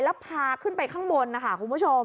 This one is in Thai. แล้วพาขึ้นไปข้างบนนะคะคุณผู้ชม